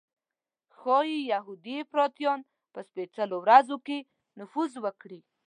ښایي یهودي افراطیان په سپېڅلو ورځو کې نفوذ وکړي.